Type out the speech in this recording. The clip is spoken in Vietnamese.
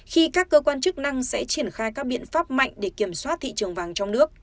khi các cơ quan chức năng sẽ triển khai các biện pháp mạnh để kiểm soát thị trường vàng trong nước